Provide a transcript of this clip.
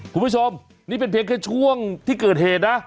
คุณผู้ชมนี่เป็นเพียงแค่ช่วงที่เกิดเหตุนะ